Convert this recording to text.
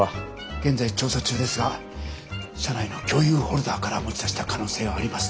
現在調査中ですが社内の共有フォルダーから持ち出した可能性があります。